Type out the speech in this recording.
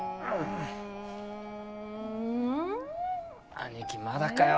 姉貴まだかよ。